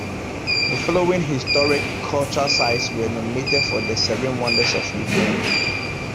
The following historic-cultural sites were nominated for the Seven Wonders of Ukraine.